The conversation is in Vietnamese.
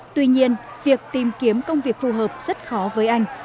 tuy nhiên việc tìm kiếm công việc phù hợp rất khó với anh